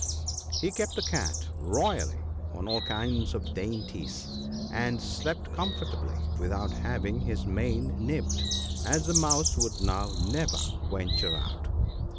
He kept the Cat royally on all kinds of dainties, and slept comfortably without having his mane nibbled, as the mouse would now never venture out.